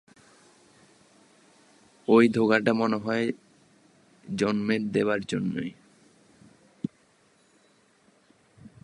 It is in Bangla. ঐ ধোঁকাটা মনে জন্মে দেবার জন্যেই।